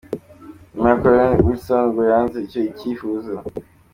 Nyuma Col. Wilson ngo yanze icyo cyifuzo.